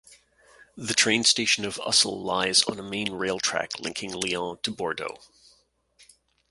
The train station of Ussel lies on a main railtrack linking Lyon to Bordeaux.